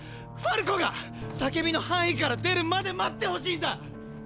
ファルコが「叫び」の範囲から出るまで待ってほしいんだ！！